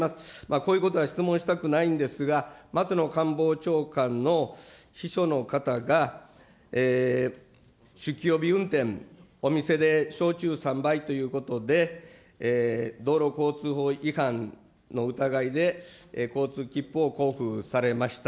こういうことは質問したくないんですが、松野官房長官の秘書の方が、酒気帯び運転、お店で焼酎３杯ということで、道路交通法違反の疑いで、交通切符を交付されました。